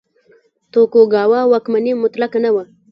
توکوګاوا واکمني مطلقه نه وه.